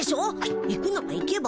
行くなら行けば。